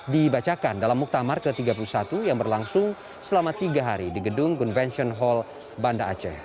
dibacakan dalam muktamar ke tiga puluh satu yang berlangsung selama tiga hari di gedung convention hall banda aceh